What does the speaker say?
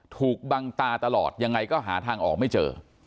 ถูกบังตาตลอดยังไงก็หาทางออกไม่เจอ